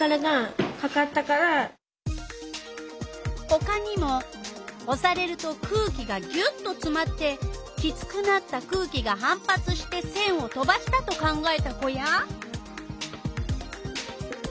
ほかにもおされると空気がぎゅっとつまってきつくなった空気が反発してせんを飛ばしたと考えた子や。